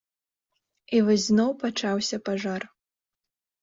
І вось зноў пачаўся пажар.